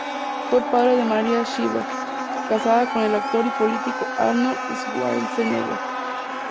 Fue padre de Maria Shriver, casada con el actor y político Arnold Schwarzenegger.